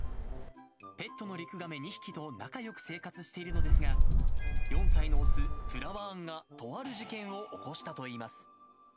ペットのリクガメ２匹と仲よく生活しているのですが、４歳の雄、プラワーンがとある事件を起こしたといいます。